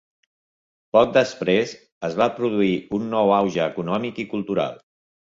Poc després, es va produir un nou auge econòmic i cultural.